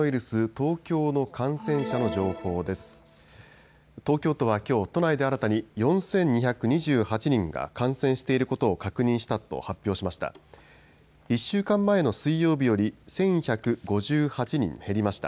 東京都はきょう都内で新たに４２２８人が感染していることを確認したと発表しました。